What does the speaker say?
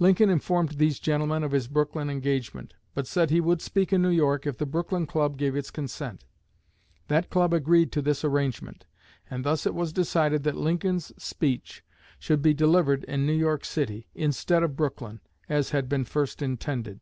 Lincoln informed these gentlemen of his Brooklyn engagement, but said he would speak in New York if the Brooklyn club gave its consent. That club agreed to this arrangement; and thus it was decided that Lincoln's speech should be delivered in New York City, instead of Brooklyn, as had been first intended.